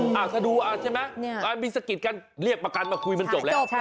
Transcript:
ถ้าดูเอาใช่ไหมการมีสกิดกันเรียกประกันมาคุยมันจบแล้ว